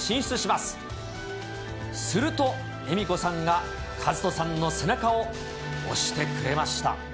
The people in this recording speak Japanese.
すると、恵美子さんが和人さんの背中を押してくれました。